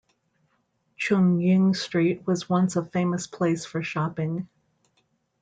Chung Ying Street was once a famous place for shopping.